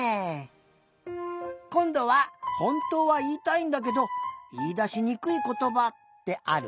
こんどはほんとうはいいたいんだけどいいだしにくいことばってある？